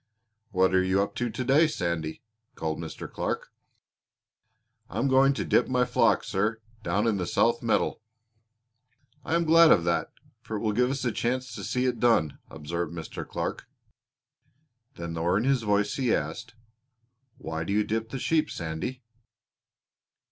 "What are you up to to day, Sandy?" called Mr. Clark. "I am going to dip my flock, sir, down in the south meadow." "I am glad of that, for it will give us a chance to see it done," observed Mr. Clark. Then lowering his voice he asked: "Why do you dip the sheep, Sandy?"